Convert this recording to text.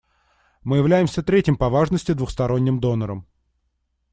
Мы являемся третьим по важности двусторонним донором.